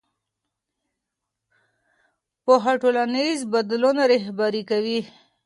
پوهنه ټولنیز بدلون رهبري کوي